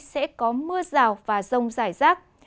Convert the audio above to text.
sẽ có mưa rào và rông rải rác